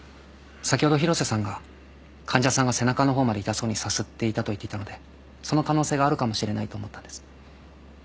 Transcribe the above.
先ほど広瀬さんが「患者さんが背中の方まで痛そうにさすっていた」と言ってたのでその可能性があるかもしれないと思ったんです。